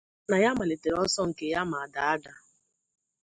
Na ya malitere ọsọ nke ya ma daa ada